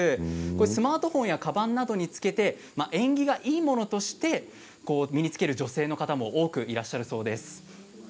スマートフォンやかばんなどにつけて縁起がいいものとして身につける女性の方も多くいらっしゃるそうです。